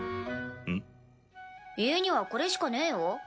家にはこれしかねえよ